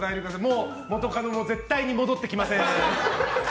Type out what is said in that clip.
もう元カノも絶対に戻ってきません！